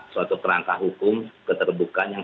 suatu kerangka hukum keterbukaan yang